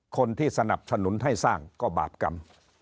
คนที่สนับสนุนให้สร้างก็บาปกรรม